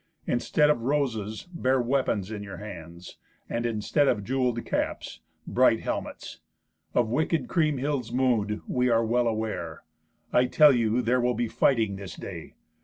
Instead of roses, bear weapons in your hands, and instead of jewelled caps, bright helmets. Of wicked Kriemhild's mood we are well aware. I tell you there will be fighting this day.